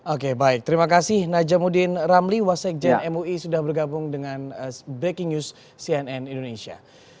oke baik terima kasih najamuddin ramli wasekjen mui sudah bergabung dengan breaking news cnn indonesia